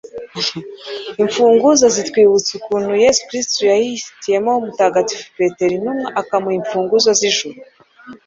imfunguzo zitwibutsa ukuntu yezu kristu yihitiyemo mutagatifu petero intumwa akamuha imfunguzo z'ijuru